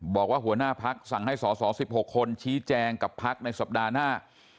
บอกว่าหัวหน้าภักดิ์สั่งให้สอสอ๑๖คนชี้แจงกับภักดิ์ในสัปดาห์หน้า